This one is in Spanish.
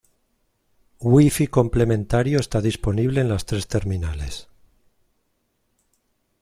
Wi-Fi complementario está disponible en las tres terminales.